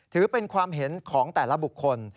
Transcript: ถือเป็นความเห็นของแต่ละบุคคล